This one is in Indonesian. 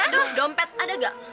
aduh dompet ada gak